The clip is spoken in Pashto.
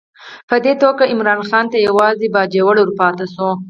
په دې توګه عمرا خان ته یوازې باجوړ ورپاته شو.